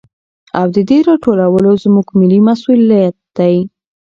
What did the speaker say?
او د دې راټولو زموږ ملي مسوليت دى.